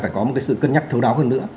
phải có một cái sự cân nhắc thấu đáo hơn nữa